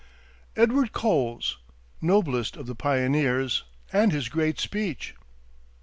EDWARD COLES, NOBLEST OF THE PIONEERS, AND HIS GREAT SPEECH.